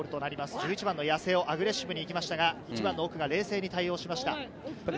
１１番の八瀬尾、アグレッシブに行きましたが、奥が冷静に対処しました。